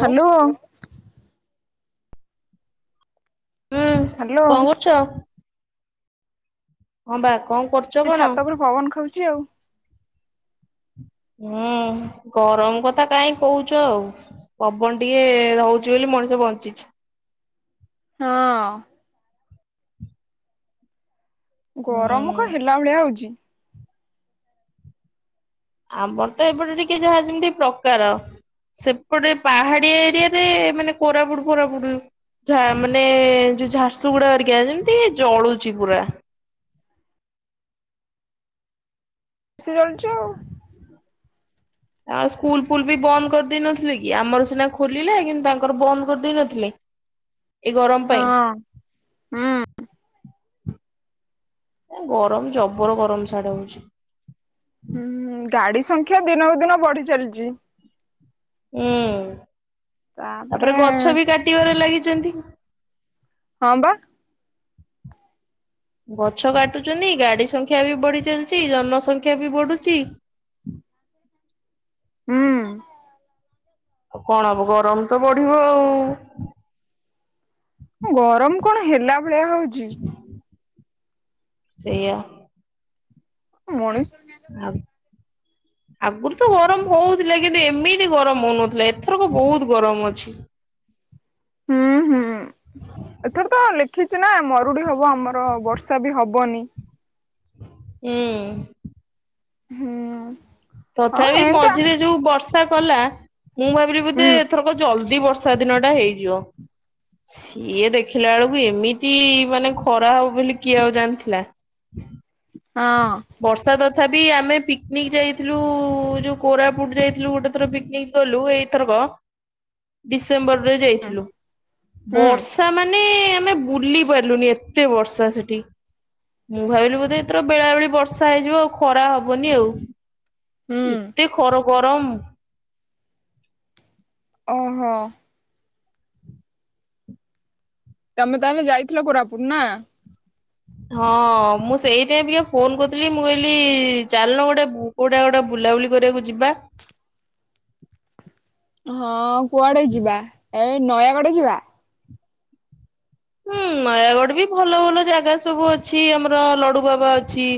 Hello ହୁଁ hello କଣ କରୁଛ ହଁ ବା କଣ କରୁଛ ସେ କଣ? ଛାତ ଉପରେ ପବନ ଖାଉଛି ଆଉ ହୁଁ ଗରମ କଥା କାହିଁ କହୁଛ ଆଉ ପବନ ଟିକେ ହଉଛି ବୋଲି ମଣିଷ ବଞ୍ଚିଛି ହଁ ହୁଁ ଗରମ କ ହେଲା ଭଳିଆ ହଉଚି ଆମର ତ ଏପଟେ ଟିକେ ଯାହା ଯେମିତି ପ୍ରକାର ସେପଟେ ପାହାଡିଆ ଏରିଆରେ, ମାନେ କୋରାପୁଟ ଫୋରାପୁଟ ଝା ମାନେ ଯୋଉ ଝାରସୁଗୁଡା ଅରିକା ଯେମିତି ଜଳୁଛି ପୁରା। [unintelligible] ଆଉ। ଆମ ସ୍କୁଲ ଫୁଲ ବି ବନ୍ଦ କରିଦେଇ ନଥିଲେ କି? ଆମର ସିନା ଖୋଲିଲେ, କିନ୍ତୁ ତାଙ୍କର ବନ୍ଦ କରିଦେଇ ନଥିଲେ। ଏଇ ଗରମ ପାଇଁ। ହଁ। ଗରମ ଜବର ଗରମ ସାଡେ ହଉଚି। ହୁଁ ଗାଡି ସଂଖ୍ୟା ଦିନକୁ ଦିନ ବଢି ଚାଲିଚି। ହୁଁ ତାପରେ ଗଛ ବି କାଟିବାରେ ଲାଗିଛନ୍ତି। ହଁ ବା। ଗଛ କାଟୁଚନ୍ତି, ଗାଡି ସଂଖ୍ୟା ବି ବଢି ଚାଲିଚି, ଜନସଂଖ୍ୟା ବି ବଢୁଚି। ହୁଁ। ଆଉ କଣ ହବ, ଗରମ ତ ବଢିବ ଆଉ। ଏ ଗରମ କଣ ହେଲା ଭଳିଆ ହଉଛି। ସେଇଆ। ମଣିଷ ଆ ଆଗରୁ ତ ଗରମ ହଉଥିଲା, କିନ୍ତୁ ଏମିତି ଗରମ ହଉନଥିଲା ଏଥରକ ବହୁତ ଗରମ ଅଛି। ହୁଁ- ହୁଁ ଏଥର ତ ଲେଖିଛି ନା ମରୁଡି ହବ ଆମ ବର୍ଷା ବି ହବନି। ହୁଁ। ହୁଁ। ହଁ ତଥାପି ଏନ୍ତା ମଝିରେ ଯୋଉ ବର୍ଷା କଲା ମୁଁ ଭାବିଲି ବୋଧେ ହୁଁ ଏ ଥରକ ଜଲଦି ବର୍ଷା ଦିନଟା ହେଇଯିବ। ସିଏ ଦେଖିଲା ବେଳକୁ ଏମିତି ମାନେ ଖରା ହବ ବୋଲି, କିଏ ଆଉ ଜାଣିଥିଲା? ହଁ। ବର୍ଷା ତଥାପି ଆମେ ପିକ୍ନିକ୍ ଯାଇଥିଲୁ, ଯୋଉ କୋରାପୁଟ ଯାଇଥିଲୁ ଗୋଟେ ଥର ପିକ୍ନିକ୍ ଗଲୁ ଏଇଥରକ, ଡିସେମ୍ବରରେ ଯାଇଥିଲୁ। ବର୍ସ ହୁଁ ବର୍ଷା ମାନେ ଆମେ ବୁଲି ପାରିଲୁନି, ଏତେ ବର୍ଷା ସେଠି। ମୁଁ ଭାବିଲି ବୋଧେ ଏଥର ବେଳାବେଳି ବ ବର୍ଷା ହେଇଯିବ ଆଉ ଖରା ହବନି ଆଉ, ହୁଁ ଏତେ ଖର ଗରମ ଓ ହୋ। ତମେ ତାହେଲେ ଯାଇଥିଲ କୋରାପୁଟ ନା? ହଁ- ମୁଁ ସେଇଥିପାଇଁ ଟିକେ ଫୋନ କରିଥିଲି, ମୁଁ କହିଲି ଚାଲୁନୁ ଗୋଟେ ବୁ କୋଉଟା ଗୋଟା ବୁଲାବୁଲି କରିବାକୁ ଯିବା? ହଁ କୁଆଡେ ଯିବା? ଏଇ ନୟାଗଡ ଯିବା। ହୁଁ ନୟାଗଡ ବି ଭଲ ଭଲ ଜାଗା ସବୁ ଅଛି, ଆମର ଲଡୁବାବା ଅଛି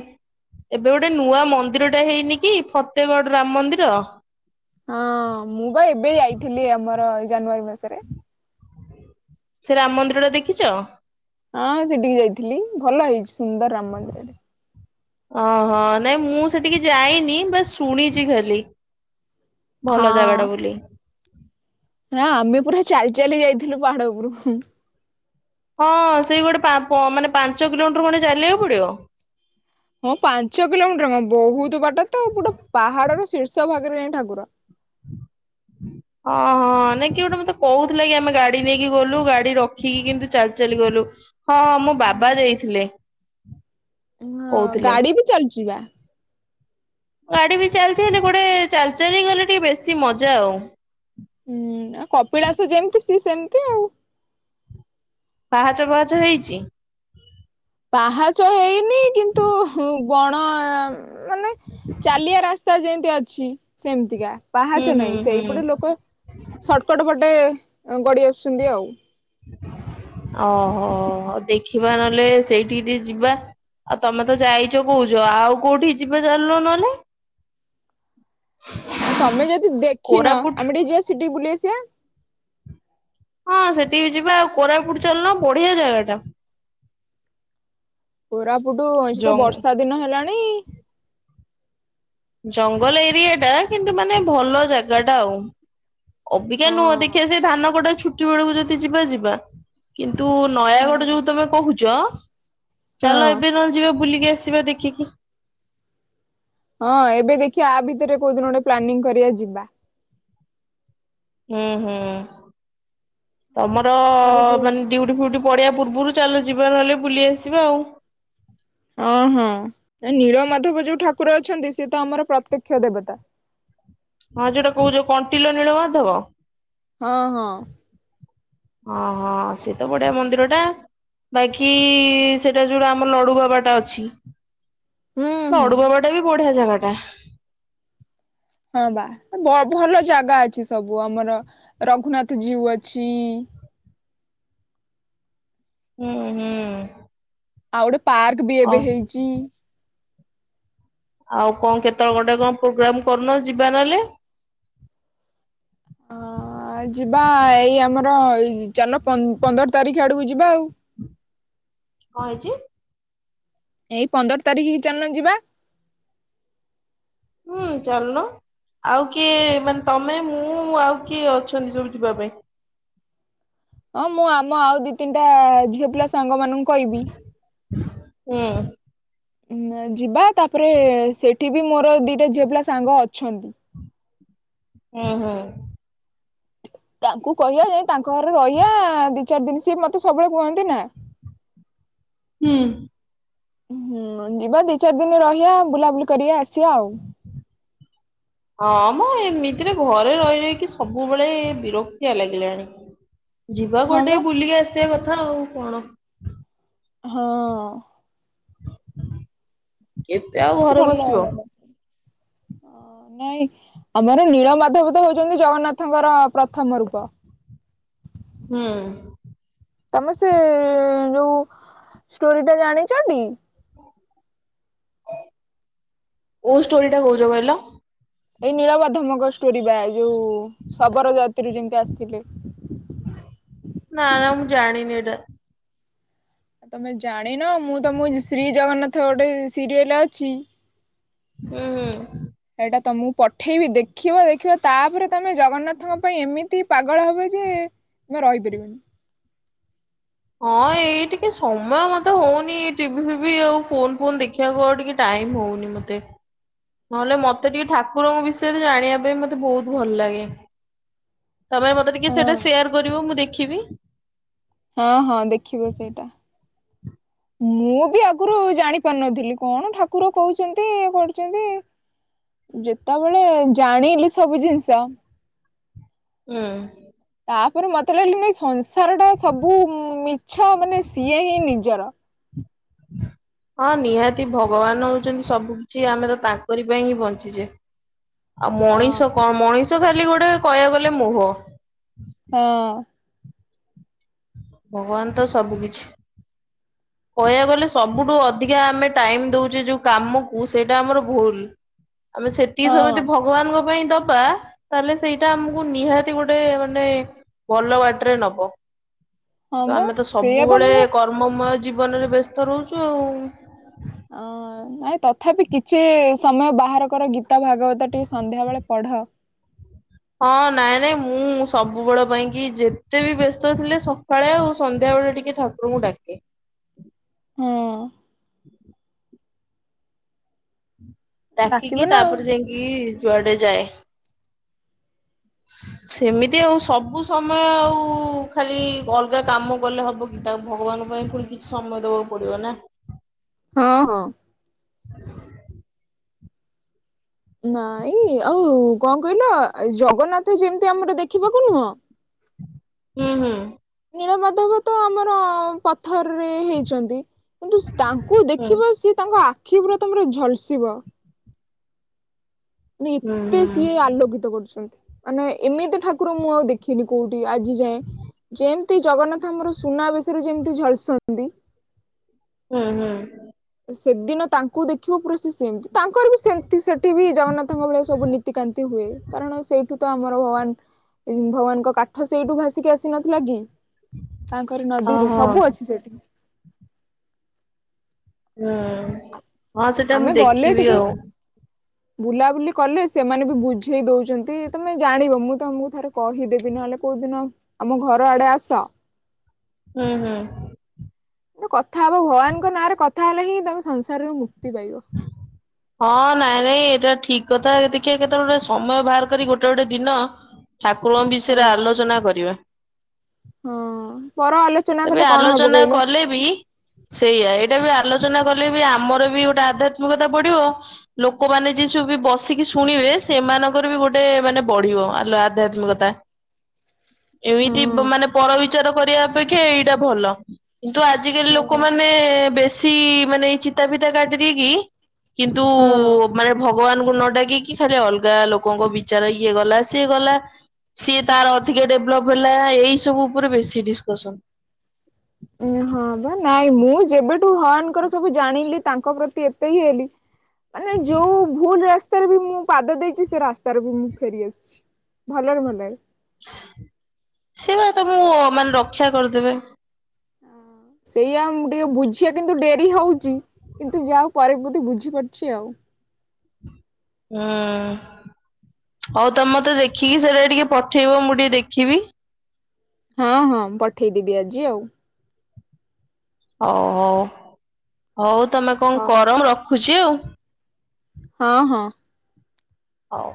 ଏବେ ଗୋଟେ ନୂଆ ମନ୍ଦିରଟା ହେଇନି କି, ଫତେଗଡ ରାମ ମନ୍ଦିର। ହଁ ମୁଁ ବା ଏବେ ଯାଇଥିଲି, ଆମର ଏଇ ଜାନୁଆରୀ ମାସରେ। ସେ ରାମ ମନ୍ଦିରଟା ଦେଖିଚ? ହଁ ସେଠିକି ଯାଇଥିଲି, ଭଲ ହେଇଛି ସୁନ୍ଦର ରାମ ମନ୍ଦିରରେ ଓ ହୋ ନାଇଁ ମୁଁ ସେଠିକି ଯାଇନି, ବାସ୍ ଶୁଣିଛି ଖାଲି। ଭଲ ଜାଗାଟା ବୋଲି। ହଁ ଆମେ ପୁରା ଚାଲି ଚାଲି ଯାଇଥିଲୁ ପାହାଡ ଉପରୁକୁ। ହଁ ସେଇ ଗୋଟେ ପା ପ ମାନେ ପାଞ୍ଚ କିଲୋମିଟର ଗୋଟେ ଚାଲିବାକୁ ପଡିବ? ହଁ ପାଞ୍ଚ କିଲୋମିଟର କଣ, ବହୁତ ବାଟ ତ ଗୋଟେ ପାହାଡର ଶୀର୍ଷ ଭାଗରେ ଯାଇଁ ଠାକୁର। ହଁ- ହଁ ନାଇଁ କିଏ ଗୋଟେ ମତେ କହୁଥିଲା କି ଆମେ ଗାଡି ନେଇକି ଗଲୁ, ଗାଡି ରଖିକି କିନ୍ତୁ ଚାଲି ଚାଲି ଗଲୁ। ହଁ ମୋ ବାବା ଯାଇଥିଲେ। ହଁ କହୁଥିଲେ। ଗାଡି ବି ଚାଲୁଚି ବା। ଗାଡି ବି ଚାଲିଛି, ହେଲେ ଗୋଟେ ଚାଲି ଚାଲିଗଲେ ଟିକେ ବେଶି ମଜା ଆଉ। ହୁଁ ଆଉ କପିଳାସ ଯେମିତି ସିଏ ସେମିତି ଆଉ ପାହାଚ ବାହାଚ ହେଇଛି। ପାହାଚ ହେଇନି କିନ୍ତୁ ବଣ ମାନେ ଚାଲିଆ ରାସ୍ ସ୍ତା ଯେମିତି ଅଛି ସେମିତିକା ହୁଁ ପାହାଚ ହୁଁ ନାହିଁ ହୁଁ। ସେଇପଟେ ଲୋକ ସର୍ଟକଟ ପଟେ ଗଡ଼ି ଆସୁଛନ୍ତି ଆଉ। ଓହୋ ଦେଖିବା ନହେଲେ ସେଇଠିକି ଟିକେ ଯିବା। ଆଉ ତମେ ତ ଯାଇଛ କହୁଛ ଆଉ କୋଉଠିକି ଯିବା ଚାଲୁନ ନହେଲେ ଆଉ ତମେ ଯଦି ଦେଖିନ କୋରାପୁଟ ଆମେ ଟିକେ ଯିବା ସେଠିକି ବୁଲି ଆସିବା। ହଁ ସେଠିକି ବି ଯିବା ଆଉ କୋରାପୁଟ ଚାଲୁନ ବଢ଼ିଆ ଜାଗା ଟା କୋରାପୁଟୁ ଅଇଛି ତ ଜଙ୍ଗ ବର୍ଷା ଦିନ ହେଲାଣି। ଜଙ୍ଗଲ ଏରିଆ ଟା କିନ୍ତୁ ମାନେ ଭଲ ଜାଗା ଟା ଆଉ। ଅବିକା ହଁ ନୁହଁ ଦେଖିବା ସେ ଧାନ କଟା ଛୁଟି ବେଳକୁ ଯଦି ଯିବା ଯିବା। କିନ୍ତୁ ହଁ ନୟାଗଡ଼ ଯୋଉ ତମେ କହୁଛ ହଁ ଚାଲ ଏବେ ନହଲେ ଯିବା ବୁଲିକି ଆସିବା ଦେଖିକି। ହଁ ଏବେ ଦେଖି ଆ ଆ ଭିତରେ କୋଉ ଦିନ ଗୋଟେ ପ୍ଲାନିଂ କରିବା ଯିବା। ହୁଁ ହୁଁ ତମର ଆମର ଯୋଉ ମାନ ଡିଉଟି ଫିଉଟି ପଡ଼ିବା ପୂର୍ବରୁ ଚାଲ ଯିବା ନହଲେ ବୁଲି ଆସିବା ଆଉ। ହଁ ହଁ ନୀଳ ମାଧବ ଯୋଉ ଠାକୁର ଅଛନ୍ତି ସିଏ ତ ଆମର ପ୍ରତ୍ୟକ୍ଷ ଦେବତା। ହଁ ଯୋଉଟା କହୁଛ କଣ୍ଟିଲ ନୀଳମାଧବ। ହଁ ହଁ। ହଁ ହଁ ସେ ତ ବଢ଼ିଆ ମନ୍ଦିର ଟା। ବାକି ସେଟା ଯୋଉଟା ଆମ ଲଡ଼ୁ ବାବାଟା ଅଛି ହୁଁ ହୁଁ। ଲଡ଼ୁ ବାବା ଟା ବି ବଢ଼ିଆ ଜାଗା ଟା। ହଁ ବା ଭଲ ଜାଗା ଅଛି ସବୁ ଆମର ରଘୁନାଥ ଜୀଉ ଅଛି। ହୁଁ ହୁଁ। ଆଉ ଗୋଟେ ପାର୍କ ବି ଆଉ ଏବେ ହେଇଛି। ଆଉ କଣ କେତେବେଳେ ଗୋଟେ କଣ ପ୍ରୋଗ୍ରାମ କରୁନ ଯିବା ନହେଲେ। ହଁ ଆ ଯିବା ଏଇ ଆମର ଏଇ ଚାଲୁନ ପନ୍ଦର ତାରିଖ ଆଡକୁ ଯିବା ଆଉ। କଣ ହେଇଛି? ଏଇ ପନ୍ଦର ତାରିଖ କି ଚାଲୁନ ଯିବା ହୁଁ ଚାଲୁନ। ଆଉ କିଏ ମାନେ ତମେ ମୁଁ ଆଉ କିଏ ଅଛନ୍ତି ସବୁ ଯିବା ପାଇଁ? ହଁ ମୁଁ ଆମ ଆଉ ଦି ତିନିଟା ଝିଅ ପିଲା ସାଙ୍ଗ ମାନଙ୍କୁ କହିବି। ହୁଁ। ଉ ଯିବା ତାପରେ ସେଠି ବି ମୋର ଦିଟା ଝିଅ ପିଲା ସାଙ୍ଗ ଅଛନ୍ତି। ହୁଁ ହୁଁ। ତାଙ୍କୁ କହିବା ଯାଇ ତାଙ୍କ ଘରେ ରହିବା ଦି ଚାରି ଦିନ ସିଏ ମତେ ସବୁବେଳେ କୁହନ୍ତି ନା ହୁଁ। ହୁଁ ଯିବା ଦି ଚାରି ଦିନ ରହିବା ବୁଲାବୁଲି କରିଆ ଆସିବା ଆଉ। ହଁ ମଁ ଏମିତିରେ ଘରେ ରହି ରହିକି ସବୁବେଳେ ବିରକ୍ତିଆ ଲାଗିଲାଣି। ଯିବା ହଁ କୁଆଡେ଼ ବା ଟିକେ ବୁଲିକି ଆସିବା କଥା ଆଉ କଣ। ହଁ। କେତେ ଆଉ? ଘରେ ଭଲ ବସିବ। [unintelligible] ଅ ନାଇଁ ଆମର ନୀଳମାଧବ ତ ହଉଛନ୍ତି ଜଗନ୍ନାଥଙ୍କର ପ୍ରଥମ ରୂପ। ହୁଁ। ତମେ ସେ ଯୋଉ ଷ୍ଟୋରି ଟା ଜାଣିଚ ଟି? କୋଉ ଷ୍ଟୋରି ଟା କହୁଚ କହିଲ? ଏଇ ନୀଳମାଧବଙ୍କ ଷ୍ଟୋରି ବା ଯୋଉ ଶବର ଜାତିରୁ ଯେମିତି ଆସିଥିଲେ। ନା ନା ମୁଁ ଜାଣିନି ଏଟା। ତମେ ଜାଣିନ ମୁଁ ତମ ଶ୍ରୀ ଜଗନ୍ନାଥ ଗୋଟେ ସିରିଏଲ୍ ଅଛି। ଉଁ ହୁଁ। ସେଇଟା ତମକୁ ପଠେଇବି ଦେଖିବ-ଦେଖିବ ତାପରେ ତମେ ଜଗନ୍ନାଥଙ୍କ ପାଇଁ ଏମିତି ପାଗଳ ହବ ଯେ। ତମେ ରହିପାରିବନି। ହଁ ଏଇ ଟିକେ ସମୟ ମତେ ହଉନି ଟିଭି ଫିଭି ଆଉ ଫୋନ ଫୋନ ଦେଖି ଦେଖିବାକୁ ଆଉ ଟିକେ ଟାଇମ୍ ହଉନି ମୋତେ। ନହେଲେ ମତେ ଟିକେ ଠାକୁରଙ୍କ ବିଷୟରେ ଜାଣିବା ପାଇଁ ମତେ ବହୁତ ଭଲ ଲାଗେ। ତମେ ମତେ ଟିକେ ହଁ ସେଇଟା ସେୟାର କରିବୁ ମୁଁ ଦେଖିବି। ହଁ ହଁ ଦେଖିବା ସେଇଟା। ମୁଁ ବି ଆଗରୁ ଜାଣି ପାରୁନଥିଲି କଣ ଠାକୁର କହୁଛନ୍ତି ଇଏ କରୁଛନ୍ତି। ଯେତେବେଳେ ଜାଣିଲି ସବୁ ଜିନିଷ। ହୁଁ। ତାପରେ ମତେ ଲାଗିଲେ ନାଇଁ ସଂସାର ଟା ସବୁ ମିଛ ମାନେ ସିଏ ହିଁ ନିଜର। ହଁ ନିହାତି ଭଗବାନ ହଉଛନ୍ତି ସବୁ କିଛି ଆମେ ତ ତାଙ୍କରି ପାଇଁ ହିଁ ବଞ୍ଚିଚେ। ଆଉ ହଁ ମଣିଷ କଣ ମଣିଷ ଖାଲି ଗୋଟେ କହିବାକୁ ଗଲେ ମୋହ। ହଁ। ଭଗବାନ ତ ସବୁ କିଛି। କହିବାକୁ ଗଲେ ସବୁଠୁ ଅଧିକା ଆମେ ଟାଇମ୍ ଦଉଚେ ଯୋଉ କାମକୁ ସେଇଟା ଆମର ଭୁଲ୍। ଆମେ ସେତିକି ସମୟ ହଁ ଭଗବାନଙ୍କ ପାଇଁ ଦବା। ତାହେଲେ ସେଇଟା ଆମକୁ ନିହାତି ଗୋଟେ ମାନେ ଭଲ ବାଟରେ ନବ। ହଁ ତ ବା ଆମେ ତ ସେଇଆ ବା ସବୁବେଳେ ମୁଁ କର୍ମମୟ ଜୀବନରେ ବ୍ୟସ୍ତ ରହୁଛୁ ଆଉ। ଅ ନାଇଁ ତଥାପି କିଛି ସମୟ ବାହାର କର ଗୀତା ଭାଗବତ ଟିକେ ସନ୍ଧ୍ୟା ବେଳେ ପଢ଼। ହଁ ନାଇଁ-ନାଇଁ ମୁଁ ସବୁବେଳ ପାଇଁ କି ଯେତେବି ବ୍ୟସ୍ତ ଥିଲେ ସକାଳେ ଆଉ ସନ୍ଧ୍ୟାବେେଳେ ଟିକେ ଠାକୁ ରଙ୍କୁ ଡାକେ। ହୁଁ। ଡାକିବ ଡାକିକି ନା ଆଉ ତାପରେ ଯାଇକି ଯୁଆଡେ ଯାଏ! ସେମିତି ଆଉ ସବୁ ସମୟ ଆଉ ଖାଲି ଅଲଗା କାମ କଲେ ହବ କି ତା ଭଗବାନଙ୍କ ପାଇଁ ପୁଣି କିଛି ସମୟ ଦବାକୁ ପଡିବ ନା। ହଁ ହଁ। ନାଇଁ ଆଉ କଣ କହିଲ ଜଗନ୍ନାଥ ଯେମତି ଆମର ଦେଖିବାକୁ ନୁହଁ? ହୁଁ ହୁଁ। ନୀଳମାଧବ ତ ଆମର ପଥରରେ ହେଇଛନ୍ତି। କିନ୍ତୁ ତାଙ୍କୁ ହୁଁ ଦେଖିବ ସିଏ ତାଙ୍କ ଆଖି ପୁରା ତମର ଝଲସିବ। ମ ହୁଁ ଏତେ ହୁଁ ସିଏ ଆଲୋକିତ କରୁଛନ୍ତି। ମାନେ ଏମିତି ଠାକୁର ମୁଁ ଆଉ ଦେଖି ନି କୋଉଠି ଆଜି ଯାଏଁ ଯେମିତି ଜଗନ୍ନାଥ ଆମର ସୁନାବେଶରେ ଯେମିତି ଝଲସନ୍ତି। ହୁଁ ହୁଁ। ସେଦିନ ତାଙ୍କୁ ଦେଖିବ ପୁରରେ ସେ ସେମିତି। ତାଙ୍କର ବି ସେମତି ସେଠି ବି ଜଗନ୍ନାଥଙ୍କ ଭଳିଆ ସବୁ ନୀତିକାନ୍ତି ହୁଏ। କାରଣ ସେଇଠୁ ତ ଆମର ଭଗବାନ ଭଗବାନଙ୍କ କାଠ ସେଇଠୁ ଭାସିକି ଆସି ନଥିଲା କି? ତାଙ୍କର ନଦୀରୁ ଓହୋ ସବୁ ଅଛି ସେଠି। ହୁଁ ହଁ ସେଟା ଆମେ ମୁଁ ଗଲେ ଦେଖିବି ଟିକେ ଆଉ। ବୁଲାବୁଲି କଲେ ସେମାନେ ବି ବୁଝେଇ ଦଉଛନ୍ତି। ତମେ ଜାଣିବ ମୁଁ ତମକୁ ଥରେ କହିଦେବି ନହେଲେ କୋଉଦିନ ଆମ ଘର ଆଡେ ଆସ। ହୁଁ ହୁଁ। କଥା ହବ ଭଗବାନଙ୍କ ନାଁରେ କଥା ହେଲେ ହିଁ ତମେ ସଂସାରରୁ ମୁକ୍ତି ପାଇବ। ହଁ ହଁ ନାଇଁ ନାଇଁ ଏଇଟା ଠିକ କଥା ଦେଖିବା କେତେବେଳେ ଗୋଟେ ସମୟ ବାହାର କରି ଗୋଟେ ଗୋଟେ ଦିନ ଠାକୁରଙ୍କ ବିଷୟରେ ହଁ। ଆଲୋଚନା କରିବା। ହଁ ପର ଆଲୋଚନା ତେବେ କଲେ କଣ ହବ ଆଲୋଚନା କହିଲ କଲେ ବି ସେଇଆ ଏଇଟା ବି ଆଲୋଚନା କଲେ ବି ଆମର ବି ଗୋଟେ ଆଧ୍ୟାତ୍ମିକତା ପଢଡିବ ଲୋକମାନେ ଯି ସବୁ ବି ବସିକି ଶୁଣିବେ ସେମାନଙ୍କର ବି ଗୋଟେ ମାନେ ବଢିବ। ଆଧ୍ୟାତ୍ମିକତା କଥା। ହଁ। ଏମିତି ମାନେ ପରବଚାର କରିବା ଅପେକ୍ଷା ଏଇଟା ଭଲ କିନ୍ତୁ ଆଜିକାଲି ହଁ। ଲୋକମାନେ ତେ ବେଶୀ ମାନେ ଚିତା ଫିତା କାଟିଦେଇକି କିନ୍ତୁ ମାନେ ଭଗବାନଙ୍କୁ ନ ଡାକିକି ଖାଲି ଅଲଗା ଲୋକଙ୍କ ବିଚାର କିଏ ଗଲା ସିଏ ଗଲା। ସିଏ ତାର ଅଧିକା ଡେଭଲପ ହେଲା ଏଇ ସବୁ ଉପରେ ବେଶୀ ଡିସକସନ। ହଁ ବା ନାଇଁ ମୁଁ ଯେବେଠୁ ହାନଙ୍କର ସବୁ ଜାଣିଲି ତାଙ୍କ ପ୍ରତି ଏତେ ହି ହେଲି ମାନେ ଯୋଉ ଭୁଲ ରାସ୍ତା ରାସ୍ତାରେ ବି ମୁଁ ପାଦ ଦେଇଛି ସେ ରାସ୍ତାରେ ବି ମୁଁ ଫେରିଆସିଛି ଭଲରେ ଭଲରେ। ସେ ବା ତମକୁ ମାନେ ରକ୍ଷା କରିଦେବେ। ସେଇଆା ମୁ ଟିକେ ବୁଝିବା କିନ୍ତୁ ଡେରି ହଉଛି। କିନ୍ତୁ ଯାହାଉ ପରେ ବଧ ବୁଝିପାରୁଛି ଆଉ। ହୁଁ ହଉ ତମତେ ଦେଖିକି ସେଟା ଟିକେ ପଠେଇବ ମୁଁ ଟିକେ ଦେଖିବି। ହଁ ହଁ ମୁଁ ପଠେଇଦବି ଆଜି ଆଉ। ହଉ ହଉ ହଉ ତମେ କଣ ହଉ କରମ ରଖୁଛି ଆଉ। ହଁ ହଁ। ହଉ।